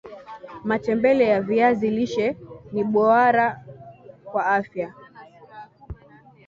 matembele ya viazi lishe ni boara kwa afya